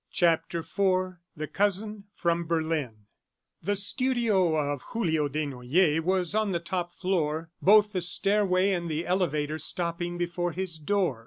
CHAPTER IV THE COUSIN FROM BERLIN The studio of Julio Desnoyers was on the top floor, both the stairway and the elevator stopping before his door.